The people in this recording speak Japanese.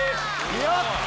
やった！